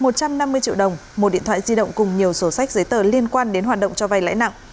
một trăm năm mươi triệu đồng một điện thoại di động cùng nhiều sổ sách giấy tờ liên quan đến hoạt động cho vay lãi nặng